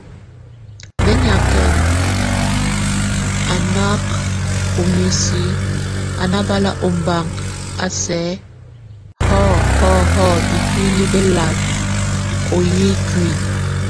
Béniakɛn, a nákʼ o misi, a nábal óbaŋ a sɛk hɔ́ hɔ́ hɔ́ bíkúli belal o yʼ íkuli.